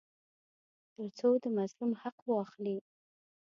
تر څو د مظلوم حق واخلي.